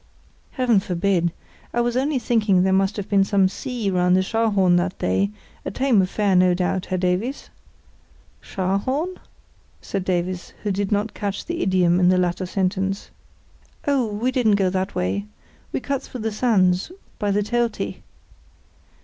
"Heaven forbid; I was only thinking that there must have been some sea round the Scharhorn that day; a tame affair, no doubt, Herr Davies?" "Scharhorn?" said Davies, who did not catch the idiom in the latter sentence. "Oh, we didn't go that way. We cut through the sands—by the Telte."